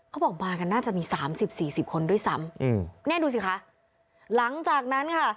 เขาบอกมากันน่าจะมี๓๐๔๐คนด้วยซ้ำนี่ดูสิคะหลังจากนั้นค่ะ